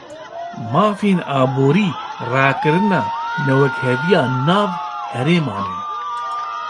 Mafên aborî, rakirina newekheviya nav herêman e